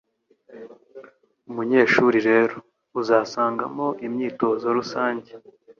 Munyeshuri rero, uzasangamo imyitozo rusange